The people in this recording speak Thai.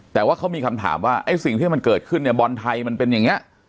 แต่ว่าเขามีคำถามว่าไอ้สิ่งที่มันเกิดขึ้นเนี่ยบอลไทยมันเป็นอย่างนี้